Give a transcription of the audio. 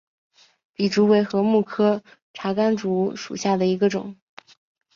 笔竹为禾本科茶秆竹属下的一个种。